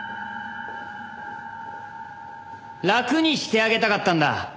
楽にしてあげたかったんだ。